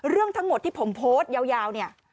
เรื่องทั้งหมดที่ผมโพสต์ยาวเนี่ย